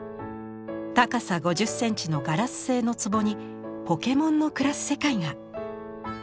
高さ５０センチのガラス製のつぼにポケモンの暮らす世界が。